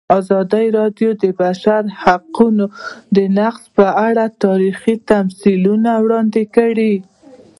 ازادي راډیو د د بشري حقونو نقض په اړه تاریخي تمثیلونه وړاندې کړي.